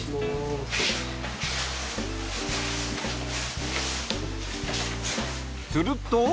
すると。